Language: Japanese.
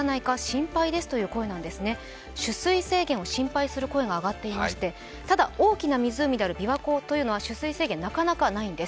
取水制限を心配する声があがっていましてただ、大きな湖であるびわ湖は取水制限、なかなかないんです。